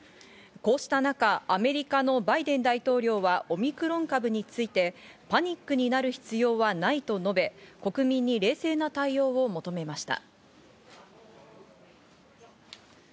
こうした中、アメリカのバイデン大統領はオミクロン株について、パニックになる必要はないと述べ、国民に冷静な対応を求めました。